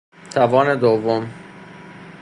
توان دوم